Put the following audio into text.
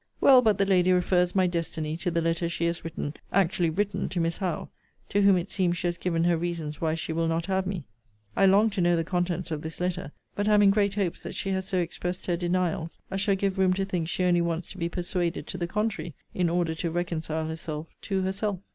Well, but the lady refers my destiny to the letter she has written, actually written, to Miss Howe; to whom it seems she has given her reasons why she will not have me. I long to know the contents of this letter: but am in great hopes that she has so expressed her denials, as shall give room to think she only wants to be persuaded to the contrary, in order to reconcile herself to herself.